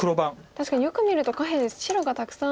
確かによく見ると下辺白がたくさん。